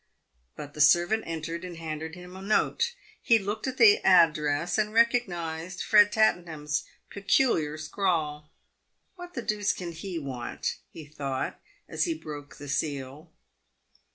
But the servant entered and handed him a note. He looked at the address, and recognised Ered Tattenham's peculiar scrawl. " What the deuce can he want ?" he thought, as he broke the seal.